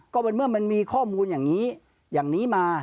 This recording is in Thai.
ก็เมื่อมันมีข้อมูลอย่างนี้อย่างนี้มา